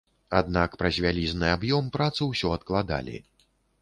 Аднак праз вялізны аб'ём працу ўсё адкладалі.